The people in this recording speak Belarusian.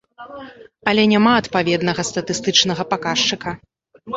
Але няма адпаведнага статыстычнага паказчыка.